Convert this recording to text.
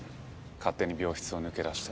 勝手に病室を抜け出して。